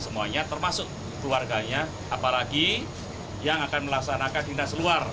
semuanya termasuk keluarganya apalagi yang akan melaksanakan dinas luar